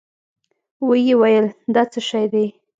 ويې ويل دا څه شې دي؟